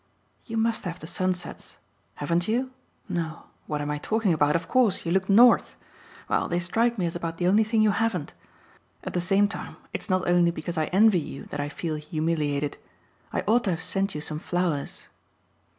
You must have the sunsets haven't you? No what am I talking about? Of course you look north. Well, they strike me as about the only thing you haven't. At the same time it's not only because I envy you that I feel humiliated. I ought to have sent you some flowers."